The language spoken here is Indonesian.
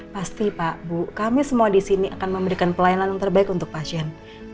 pasti pak bu kami semua di sini akan memberikan pelayanan yang terbaik untuk pasien